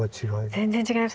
全然違います。